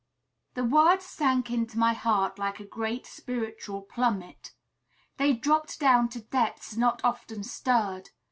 The words sank into my heart like a great spiritual plummet They dropped down to depths not often stirred.